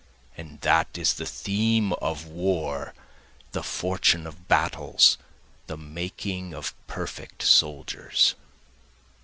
And that is the theme of War, the fortune of battles, The making of perfect soldiers.